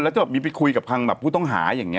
แล้วจะมีไปคุยกับทางแบบผู้ต้องหาอย่างนี้